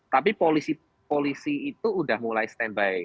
tapi polisi itu sudah mulai standby